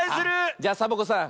じゃサボ子さん